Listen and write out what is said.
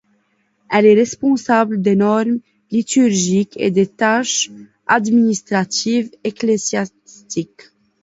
Elle est responsable des normes liturgiques et des tâches administratives ecclésiastiques.